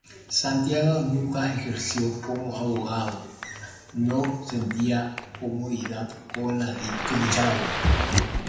Santiago nunca ejerció como abogado, no sentía comodidad con dicha labor.